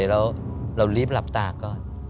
โปรดติดตามต่อไป